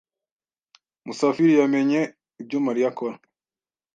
Musafiri yamenye ibyo Mariya akora.